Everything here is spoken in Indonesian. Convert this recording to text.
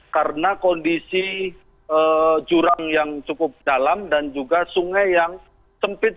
karena kondisi jurang yang cukup dalam dan juga sungai yang sempit